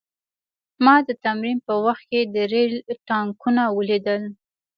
ما د تمرین په وخت کې د ریل ټانکونه ولیدل